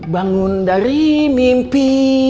bangun dari mimpi